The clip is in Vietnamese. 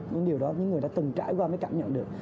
những điều đó những người đã từng trải qua mới cảm nhận được